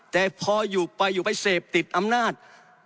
แต่พออยู่ไปอยู่ไปเสพติดอำนาจ